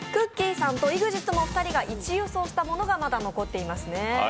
さんとＥＸＩＴの二人が１位予想したものが残ってますね。